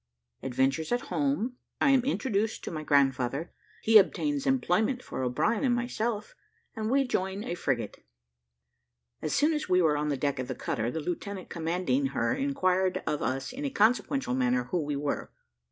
ADVENTURES AT HOME I AM INTRODUCED TO MY GRANDFATHER HE OBTAINS EMPLOYMENT FOR O'BRIEN AND MYSELF, AND WE JOIN A FRIGATE. As soon as we were on the deck of the cutter, the lieutenant commanding her inquired of us in a consequential manner who we were.